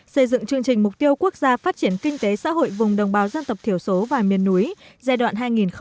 xây dựng chương trình mục tiêu quốc gia phát triển kinh tế xã hội vùng đồng bào dân tộc thiểu số và miền núi giai đoạn hai nghìn hai mươi một hai nghìn ba mươi